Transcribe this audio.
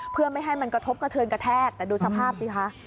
เพื่อไม่ให้มันกระทบกระเทือนกระแทกแต่ดูสภาพสิคะ